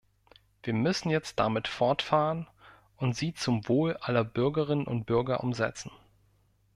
Wir müssen jetzt damit fortfahren und sie zum Wohl aller Bürgerinnen und Bürger umsetzen.